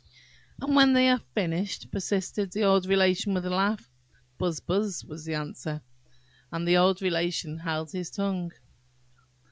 "And when they are finished?" persisted the old Relation, with a laugh. "Buzz, buzz," was the answer; and the old Relation held his tongue.